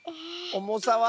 おもさは？